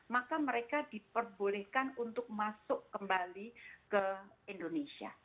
maka mereka diperbolehkan untuk masuk kembali ke indonesia